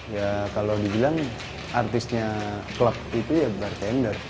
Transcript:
ya kalau dibilang artisnya klub itu ya bartender